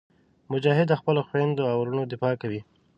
مجاهد د خپلو خویندو او وروڼو دفاع کوي.